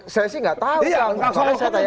saya sih nggak tahu